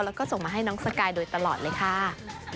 แล้วก็ส่งมาให้น้องสกายโดยตลอดเลยค่ะ